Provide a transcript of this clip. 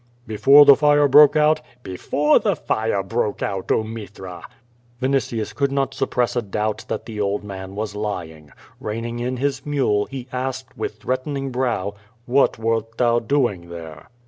'* "Before the fire broke out? "Before the fire broke out, oh, Mithra!" Vinitius could not suppress a doubt that the old man was lying. Seining in his mule, he asked, with threatening brow: "WTiat wert thou doing there?